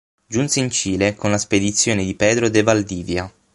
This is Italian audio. Giunse in Cile con la spedizione di Pedro de Valdivia.